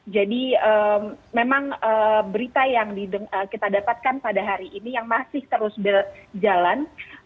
jadi memang berita yang kita dapatkan pada hari ini yang masih terus berjalan